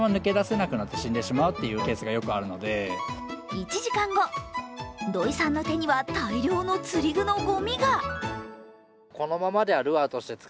１時間後、土井さんの手には大量の釣り具のごみが。